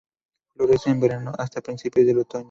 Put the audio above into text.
Florece en verano hasta principios del otoño.